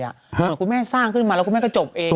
เหมือนคุณแม่สร้างขึ้นมาแล้วคุณแม่ก็จบเอง